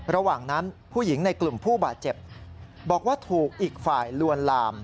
ระหว่างนั้นผู้หญิงในกลุ่มผู้บาดเจ็บบอกว่าถูกอีกฝ่ายลวนลาม